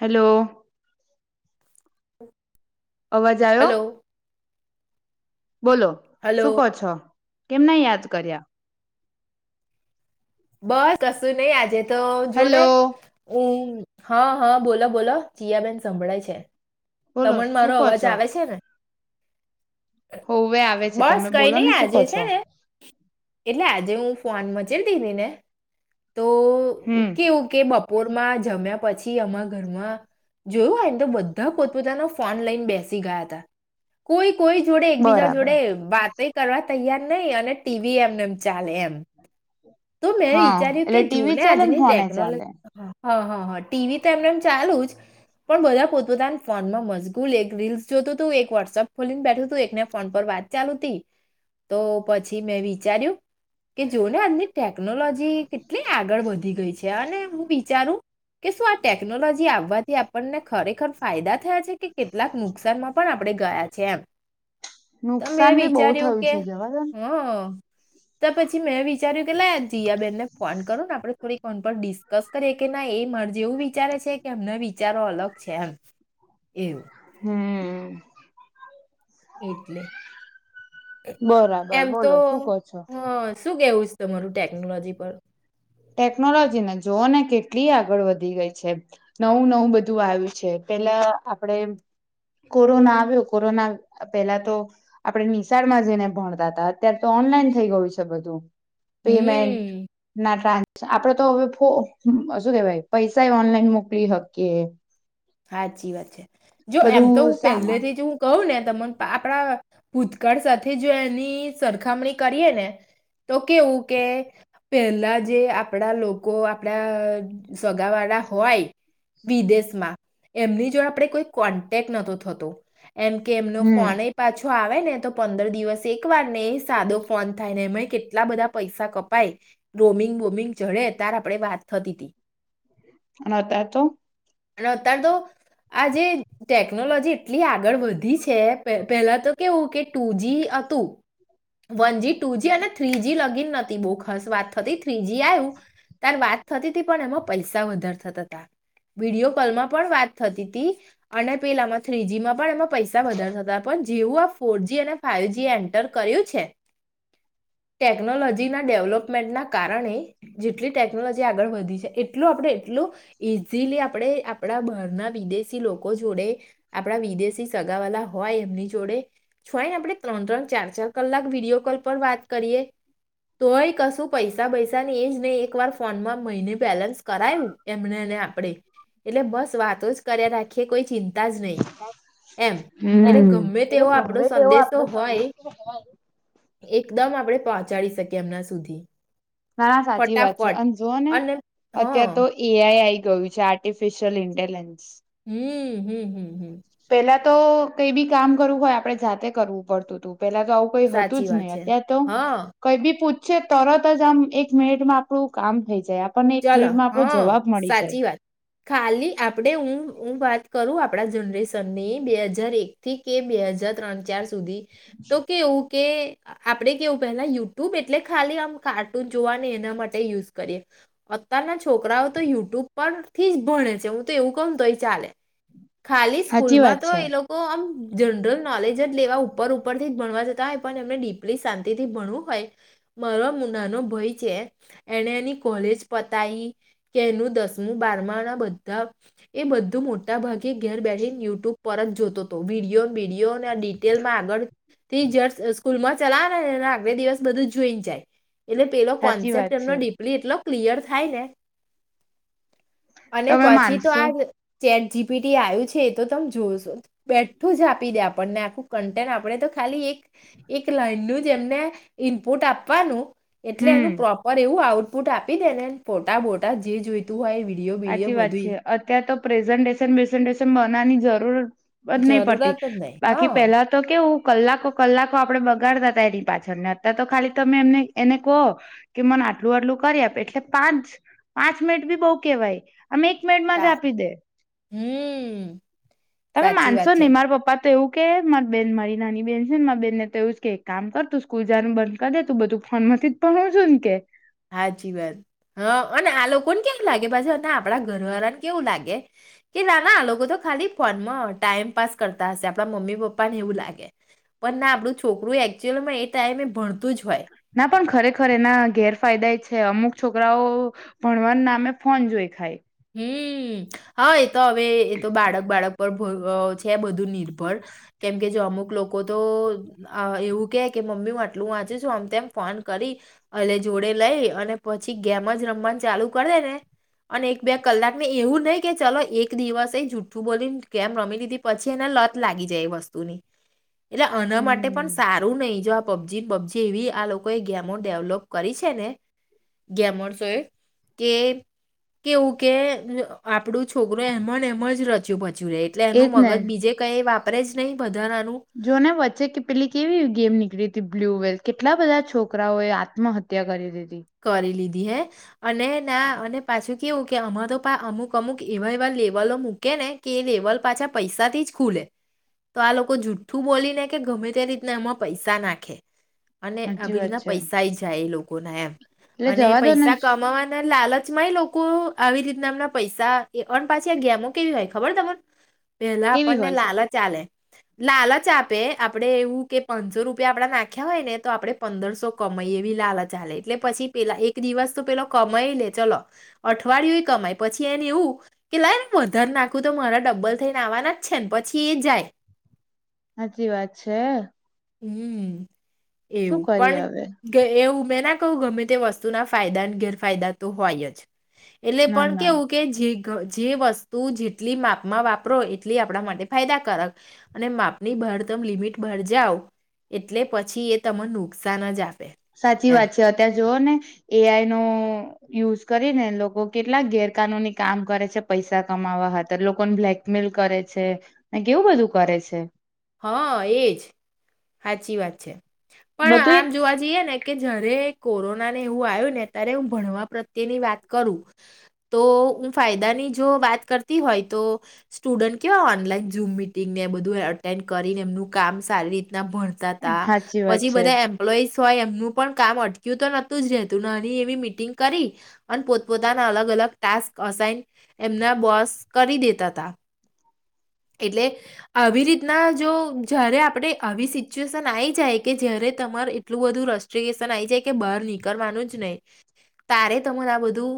Hello. [inaudible] અવાજ આવ્યો hello બોલો હલો શું કહો છો કેમને યાદ કર્યા બસ કશું નહી આજે તો જોને હેલો ઉ હા હા બોલો બોલો જિયાબેન સંભળાય છે. બોલો તમને શું મારો કહો અવાજ છો આવે છે ને. હોવે આવે છે બસ તમે કઈ બોલો નઈ ને શું આજે કહો છે છો ને એટલે આજે હું. ફન મજે દેવી ને તો હમ ઓકે ઓકે બાપા બપોરમાં જમ્યા પછી અરા ઘરમાં જોયું હોયને તો બધા પોતા પોતાનો ફોન લઈને બેસી ગયા હતા કોઈ કોઈ જોડે એકબીજા જોડે બરાબર વાત ક કરવા તૈયાર નહ અને ટીવી એમને એમ ચાલે એમ તો મેં હા વિચાર્યું કે એટલે ટીવી જોને ચાલે ને આજની ફોને ચાલે ટેકનોલોજી હા હા હા ટીવી તો એમને એમ ચાલુ જ પણ બધા પોતપોતા ફોનમાં મજગૂલ એક રીલ્સ જોતું હતું એક વોટ્સપ ખોલીને બેઠું તું એકને ફોન પર વાત ચાલુ ત તો પછી મેં વિચાર્યું કે જોને આ ક ટેકનોલોજી કેટલી આગળ વધી ગઈ છે અને વિચારું કે શું આ ટેકનોલોજી આવવાથી આપણને ખરેખર ફાયદા થયા છે કે કેટલાક નુકસાનમાં પણ આપણે ગયા છે એમ તો મેં નુકસાન ભી બહુ થયું છે જવા ત પછી મેં વિચાર્યું પટલા આ જયા બેેનને ફોન કર આપડણે થોડીક કોનડી કશક એ કે ના એ મરજી એવું વિચારે છે કે એમને વિચારો અલગ છે એમ એવું હમ એટલે બરાબર એમ તો બોલો શું કહો છો હ શું કેવું છે તમારું ટેકનોલોજી પર ટેકનોલોજીને જોવાને કેટલી આગળ વધી ગઈ છે નવું નવું બધું આવ્યું છે પેલા આપણેે કોરોના આવ્યો કોરોના પેલા તો આપડણે નિશાળમાં જઈને ભણતા હતા અત્યારે તો ઓનલાઈન થઈ ગયું છે બધું પેમેન્ટ હમ નાટ આપડે તો હવે ફ શું કેવાય પૈસા ઓનલાઈન મોકલી શકીએ. હા જી વાત છે. જો એમ તો બધું હું સામાન પહેલેથી હું કહું ને ત આપણા ભૂતકાળ સાથે જો એની સરખામણી કરીએ ને તો કેવું કે પેલા જે આપડા લોકો આપડા સગા વાળા હોય વિદેશમાં. એમની જોડે આપે કોઈ કોન્ટેક્ટ નહતો થતો. એમ કે એમનો હમ ફોન પાછો જો આવે ને તો પંદર દિવસ એક વાર ને સાદો ફોન થાય ને એ કેટલા બધા પૈસા કપાય રોમિંગ બોમિંગ જડે અ ત્યારે આપણે વાત થતી હતી. અનેત તો અને અત્યારે તો આ જે ટેકનોલોજી એટલી આગળ વધી છે પહેલા તો કેવું કે ટુ જી હતું વન જ ટુ જી અને થ્રી જ લગી નતી બહુ ખાસ વાત થતી થ્રીજી આવ્યું તાર વાત થતી હતી પણ એમાં પૈસા વધારે થતા હતા વિડીયો કમાં પણ વાત થતી ત અને પેલામાં થ્રીજીમાં પણ એમાં પૈસા વધારે થતા પણ જેવું આ ફોરજી અને ફાાઈવજી એ એન્ટર કર્યું છે ટેકનોલોજીના ડેવલોપમેન્ટના કારણે જેટલી ટેકનોલોજી આગળ વધી છે એટલું આપણે એટલું ઈઝીલી આપણે આપણા ઘરના વિદેશી લોકો જોડે આપણા વિદેશી સગા વાલા હોય એમની જોડે જોય ને આપણે ત્રણ ત્રણ ચાર ચાર કલાક વિડીિયો કોલ પર વાત કરીએ તોય કશું પૈસા પૈસા ને એ જ નહી એક વાર ફોનમાં મહિને બેલેન્સ કરાયું એમને અને આપણેે એટલે બસ વાતો જ કર રાખીએ કોઈ ચિંતા જ નહીં એમ એટલે ગમે તેવો એટલે આપણો રમે તેવો સંદેશો આપડો હોય એકદમ આપણેે પહોંચાડી શકીએ એમના સુધી ના સાચી વાત છે ફટાફટ અને જોુઓ ને અને હા અતાર તો એઆઈ આઈ ગયું છે આર્ટિફિશિયલ ઇન્ટેલિજન્સ [inaudible] પેલા તો કઈ બી કામ કરવું હોય આપણે જાતે કરવું પડતું તું. પેલા તો આવું કઈ હતું સાચી જ વાત નહીં, છે અત્યારે તો હા કઈ બી પૂ છે તરત જ આમ એક મિનિટમાં આપડું કામ થઈ જાય આપણને એક ચાલો, મિનિટમાં આપણો હા. જવાબ મળી જાય સાચી વાત. ખાલી આપડે હું-હું વાત કરું આપડા જનરેશનની, બે હાજર એક થી કે બે હજાર ત્રણ ચાર સ સુધી તો કેવું કે આપણેે કેવું પેલા યુટ્યુબ એટલે ખાલી આમ કાર્ટૂન જોવા ને એના માટે યુઝ કરીએ અત્યારના છોકરાઓ તો યુટ્યુબ પરથી જ ભણે છે, હું તો એવું કઉંન તોય ચાલે. ખાલી સાચી સ્કૂલમાં વાત તો છે એ લોકો આમ જનરલ નોલેજ જ લેવા ઉપર-ઉપરથી જ ભણવા જતા હોય પણ એમને ડીપલી શાંતિથી ભણવું હોય, મારા મુનાનો ભય છે, એણે એની કોલેજ પતાઈ, કેરનું દસમું બારમા ના બધા એ બધું મોટા ભાગે ઘેર બેઠીને યુટ્યુબ પર જ જોતો તો. વિડીયોન બિડીયો ના ડિટેલમાં આગળ [unintelligible] સ્કૂલમાં ચલા [unintelligible] આગલે દિવસ બધું જોઈન જાય. એટલે પેલો સાચી કોન્સેપ્ટ વાત એમનો છે ડીપલી એટલો ક્લિયર થાય ને અને તમે પછી તો માનશો આ ચેટ જીપીટી આવ્યું છે એ તો તમે જોશો બેઠું જ આપી દે આપણને આખું કન્ટેન્ટ આપણે તો ખાલી એક એક લાઈનનું જ એમને ઈનપુટ આપવાનું એટલે હમ એનું પ્રોપર એવું આવઉટ ફોટા દે ફોટા બોટા જે જોઈતું હોય વિડીયો સાચી બીડીયો વાત છે બધું અત્યાર તો પ્રેઝન્ટેશન બઝન્ટેશન બનાવની જરૂર પડ નહી પડતી જરૂરત જ નહી બાકી હા પેલા તો કેવું કલાકો કલાકો આપડે બગાડતા ત પાછળને અત તો ખાલી તમે એમને એને કહો કે મને આટલું આટલું કરી આપે એટલે પાંચ પાંચ મિનિટ બી બો કેવાય અમે એક મિનિટમાં જ તારે આપી દે હમ તમે સાચી વાત માનશો છે ને મારા પપ્પા તો એવું મારી બેન મારી નાની બેન છે ને મારા બેનને તો એવું કે એક કામ કર તું સ્કૂલ જવાનું બંધ કરી દે તું બધું ફોન થી જ ભણ હુ જોઈને એમ કે હાચી વાત હા અને આ લોકોને કેવ લાગે પાછુ અને આપડા ઘરવાળા ને કેવું લાગે કે નાના આ લોકો તો ખાલી ફોન માં ટાઈમ પાસ કરતા હશે આપણા મમ્મી પપ્પા ને એવું લાગે પણ ના આપડું છોકરું એકચુઅલમાં એ ટાઈમે ભણતું જ હોય ના પણ ખરેખર ખરેખર એના ગેર ફાયદા એ છે અમુક છોકરાઓ ભણવાના નામે ફોન જોઈ ખાય હમ્મ હા તો હવે એ તો બાળક બાળક છે બધું નિર્ભર કેમકે જો અમુક લોકો તો એવું કે કે મમ્મી હું આટલું વાંચું છું આમ તેમમ ફોન કરી એ જોડે લઈ અને પછી ગેમ જ રમવા ચાલુ કરી દે ને અને બે કલાકને એવું નહી કે ચલો એક દિવસ એ જુઠ્ઠ બોલીને કેમ રમી લીધી પછી એને લત લાગી જાય એ વસ્તુની એટલે આના માટે પણ હમ સારું નહી જો પબજી પબજી એવી આ લોકો એ ગેમો ડેવલોપ કરી છે ને ગેમસ કે કેવું કે આપણું છોકરો એમ એમ જ રચ્યું પચ્યું જુએ એટલે એનું એજ ને મગજ બીજે કઈ વાપ આપે જ નહીં બધા જો ને વચ્ચે કે પેલી કેવી ગેમ નીકળી બ્લુ વલ્થ કેટલા બધા છોકરાઓએ આત્મહત્યા કરી દીધી કરી લીધ હે અને ના અને પાછું કેવું કે અમાં તો અમુક અમુક એવા એવા લેવલો મૂકે ને કે એ લેવલ પાછા પૈસાથી જ ખુલે તો આ લોકો જુઠું બોલી ને કે ગમે તે રીતના અમાં પૈસા નાખે અને સાચી આવી વાત રીતના છે પૈસા જાય એ લોકો ના એમ એટલે અને જવા દો ને પૈસા કમાવાના લાલચમાંય લોકો આવી રીતના એમના પૈસા અને પાછી આ ગેમો કેવી હોય ખબર તમને પેલા કેવી આપણને હોય છે લાલચ આવે લાલચ આપે આપડે એવું કે પાંચસો રૂપિયા આપડા નાખ્યા હોય ને તો આપડે પંદરસો કમાઈ એવી લાલચા લે એટલે પછી પેલા એક દિવસ તો પેલો કમાઈ લે ચલો અઠવાડિયુંય કમાય પછી એને એવું કે લ વધારે નાખું તો મારા ડબ્બલ થઈને આવવાના જ છે ને પછી એ જાય સાચી વાત છે હમ્મ શું એવું કરી પણ હવે કે એવું બલા કહું ગમે તે વસ્તુ ના ફાયદા અને ગેરફાયદા તો હોય જ એટલે ના પણ ના કેવું કે જી ઘ જે વસ્તુ જેટલી માપમાં વાપરો એટલી આપણા માટે ફાયદાકારક અને માપની ભરતમ લિમિટ ભર જાાવ એટલે પછી એ તને નુકસાન જ આપ સાચી વાત છે અત્યાં જોઓ ને એઆઈ નો યુઝ કરીને લોકો કેટલાક ગેરકાનૂની કામ કરે છે પૈસા કમાવાાર લોકોને બ્લેકમેલ કરે છે અને કેવું બધું કરે છે હા એજ સાચી વાત છે પણ બધું આમ એક જોવા જઈએ ને કે જયારે કોરોના ને એવું આવ્યું ને ત્યારે હું ભણવા પ્રત્યેની વાત કરું તો હું ફાયદાની જો વાત કરતી હોય તો સ્ટુડન્ટ કેવા ઓનલાઈન ૂમ મિટિંગને બધું એટેન્ડ કરીને એમનું કામ સારી રીતે ભરતા હતા સાચી વાત પછી છે બધા એમ્પ્લોઈઝ ય એમનું પણ કામ અટક્યું તો નતું જ રહેતુંની એ મિટિંગ કરી અને પોતપોતાના અલગ અલગ ટાસ્ક અઇન એમના બોસ કરી દેતા હતા એટલે આવી રીતે ના જો જય્યારે આપે આવી સિચ્યુએશન આવીઈ જાય કે જય્યારે તમાર એટલું બધું રસ્ટગેશન આ જાય કે બહાર નીકળવાનું જ ને તારે તમાર આ બધું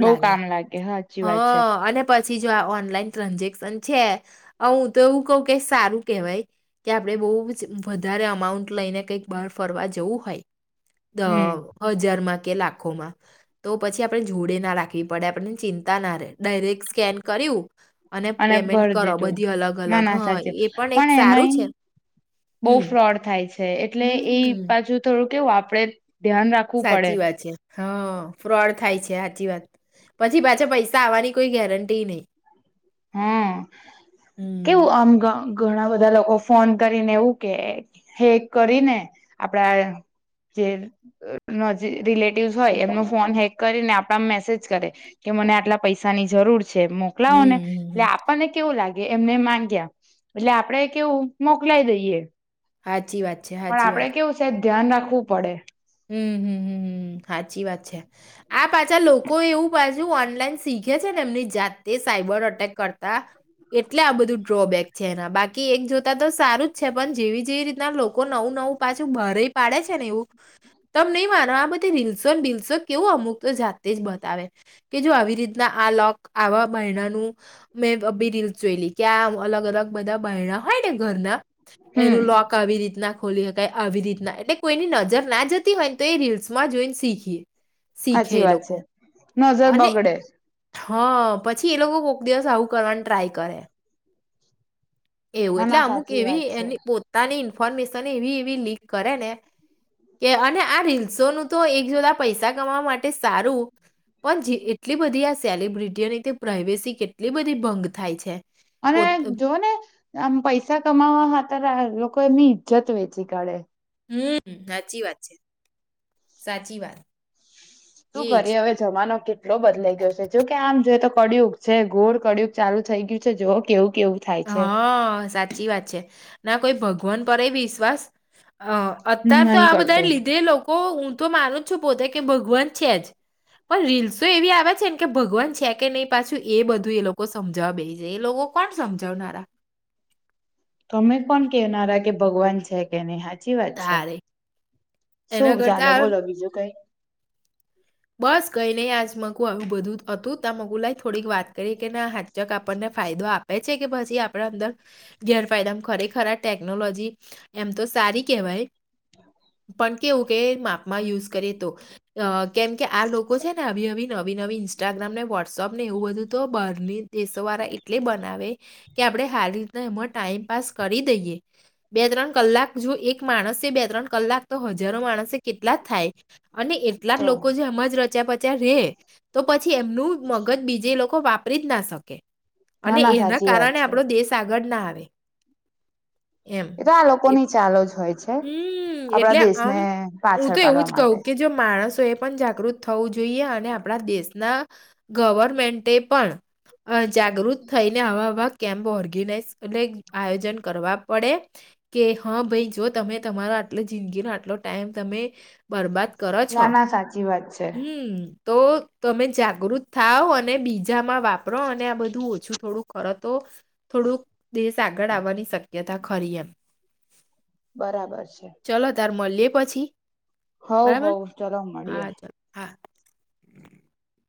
બઉુ કામ લાગે હા હા અને પ પછી જો આ ઓનલાઈન ટ્રાન્ઝેક્શન છે, હું તો એવું કઉું કે, સારું કેહેવાય કે આપડે બહુ જ વધારે અમાઉન્ટ લઈને કંઈક બહાર ફરવા જવું હોય. દ હમ હજાર માંથી. લાખોમાં, તો પછી આપણે જોડે ના રાખવી પડે, આપતા. ના ર, ડાયરેક સ્કેન કર્યું. અને પેમેન્ટ ભર કરો દીધું. બધી અલગ ના, અલગ ના, હા સાચે, એ એક પણ સારું એમાંય છે બહુ હમ ફ્રોડ થાય છે, એટલે એ હમ બાજુ થોડુંક. કેવું, આપડે. ધ્યાન રાખવું પડે. હ, ફ્રોડ થાય છે, સાચી વાત. પછી પાછા પૈસા આવવાની કોઈ ગેરંટી નહીં. હમ, હમ કેવું આમ. ઘણા બધા લોકો ફોન કરીને એવું કહે, કે કરીને આપડા જેજી રિલેટિવસ હોય એમનો ફોન હેક કરીને આપડા મેસેજ કરે કે, મને આટલા પૈસાની જરૂર છે. છે, મોકલાઓ ને. હમ હમ એટલે, આપણને કેવું લાગે? એમને માંગ્યા, એટલે આપડે કેવું, મોકલાય દઈએ? આાય. સાચી વાત છે. પણ હાચી આપડે વાત. કેવું છે ધ્યાન રાખવું પડે. હમ, સાચી વાત છે. આ પાછા લોકો એવું પાછું ઓનલાઈન શીખે છે ને, એમની જાતે સાયબર અટેક કરતા, એટલે આ બધું ડ્રોબેક છે. એના બાકી એક જોતા તો સારું જ છે, પણ જેવી જેવી રીતના લોકો નવું નવું પાછું બરે પાડે છે ને, એવું. તમે નહીં માનો, આ બધી રીલ્સો ને રીલસો કેવું, અમુક તો જાતે જ બતાવે કે જો આવી રીતના આ લોક આવા બહેણાનું મેં બી રીલસ જોઈલી કે આ અલગ અલગ બધા બહેણા હોય ને ઘરના. હમ એનું લોક આવી રીતના. ખોલી શકાય આવી રીતના, એટલે કોઈની નજર ના જ. [unintelligible] તો એ રિલ્સ [unintelligible] જોઈન શીખીએ. શીખે હાચી એ વાત છે, લોકો નજર અને બગડે. હા, પછી એ લોકો કોક દિવસ આવું કરવાનું ટ્રાય કરે. એવું, ના એટલે ના અમુક સાચી એવી વાત છે એની પોતાની ઇન્ફોર્મેશન એવી-એવી લીક કરે ને કે અને આ રીલ્સોનું તો એક જોતા પૈસા કમાવા માટે સારું, પણ જે એટલી બધી આ સેલિબ્રિટીઓની તે પ્રાઇવેસી કેટલી બધી ભંગ થાય છે. અને પોત જોવ ને આમ પૈસા કમાવા હતાર લોક કો એમની ઈજ્જત વેચી કાઢે. હમ્મ, સાચી વાત છે, સાચી વાત. શું એજ કરી હવે જમાનો કેટલો બદલાઈ ગયો છે, જોકે આમ જોઈ તો કળયુગ છે, ઘોર કળયુગ ચાલુ થઈ ગયું છે. જોવો કેવું થાય છે હા, સાચી વાત છે. ના કોઈ ભંગ વન પરએય વિશ્વાસ અહ અત્યારે તો નહી આ બધા કરતું લીધે લોકો ઊં હું તો માનું છું પોતે કે ભગવાન છે જ. પણ રીલ્સો એવી આવે છે ને કે ભગવાન છે કે નહી પાછું એ બધું એ લોકો સમજવા બેેહી જાય, એ લોકો કોણ સમજાવનારા. તમે કોણ કેનારા કે ભગવાન છે કે નહીં, હા ચી વાત છે. તારે શું એના ચાલે, કરતા આ બોલો બીજું કઈ? બસ કઈ નઈ આજ મગું આવું બધું હતું તા મે કીધું લાઈ થોડીક વાત કરી કે ના હા ક આપણને ફાયદો આપે જ. છે કે પછી આપડ અંદર, ગેરફાયદા ખરેખર ટેકનોલોજી, એમ તો સારી કેહેવાય. હ. [inaudible] પણ કેવું કે માપમાં યુઝ કરે તો. કેમ કે આ લોકો છે ને આવી આવી નવી નવી ઇન્સ્ટાગ્રામ ને વોટ્સઅપ ને એવું બધું તો બર્ની દેશો વાળા એટલે બનાવે, કે આપડણે સારી રીતના એમાં ટાઈમ પાાસ કરી દઈએ, બે ત્રણ કલાક જો એક માણસે બે ત્રણ કલાક તો હજારો માણસે કેટલા થાય. અને એટલા તો લોકો લોકો જે એમ જ રચ્યા પચ્યા રે, તો પછી એમનું મગજ બીજે લોકો વા ખરીદ ના શકે. ના અને ના એના સાચી વાત કારણે છે આપડો દેશ આગળ ના [inaudible] એ તો આ લોકો ની ચાલો જ હોય છે. હમ આપણા એટલે આમ દેશને હું પાછળ તો એવું પાડવા જ કહું માટે કે જો મા- માણસો એ પણ જાગૃત થવું જોઈએ અને આપણા દેશના, ગવર્મેન્ટ પણ જાગૃત થઈને આવાવા કેમ્પ ઓર્ગેનાઈઝ એટલે આયોજન કરવા પડે, કે હા ભાઈ જો તમે તમારો આટલી જિંદગીનો આટલો ટાઈમ તમે, બરબાદ કરો છો ના ના સાચી વાત છે. હમ્મ તો તમે જાગૃત થાવ અને બીજામાં વાપરો અને આ બધું ઓછું થોડું ખર તો થોડુંક દેશ આગળ આવવાની શક્યતા ખરી એમ. બરાબર છે. મળીયે પછી. હવ બરાબર હવ ચાલો હા મળીએે. ચાલો હા